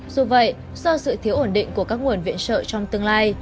dù vậy do sự thiếu ổn định của các nguồn viện trợ trong tương lai